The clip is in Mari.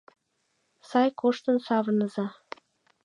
Сай коштын савырныза.